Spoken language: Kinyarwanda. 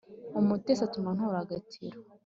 u mutesi utuma ntora agatiro